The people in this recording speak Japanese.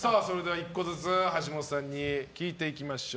１個ずつ橋本さんに聞いていきましょう。